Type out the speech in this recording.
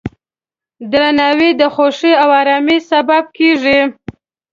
درناوی د خوښۍ او ارامۍ سبب کېږي.